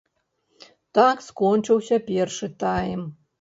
Так скончыўся першы тайм.